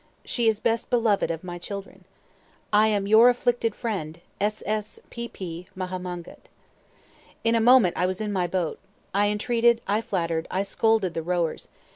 She is best beloved of my children. "I am your afflicted friend, "S. S. P. P. MAHA MONGKUT." In a moment I was in my boat. I entreated, I flattered, I scolded, the rowers.